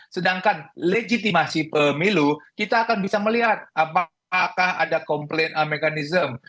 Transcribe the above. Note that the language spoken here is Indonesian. sedangkan legitimasi pemilu kita akan bisa melihat apakah ada komplain mechanism